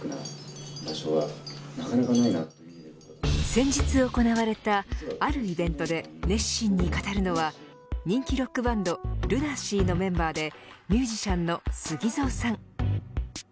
先日行われたあるイベントで熱心に語るのは人気ロックバンドＬＵＮＡＳＥＡのメンバーでミュージシャンのＳＵＧＩＺＯさん。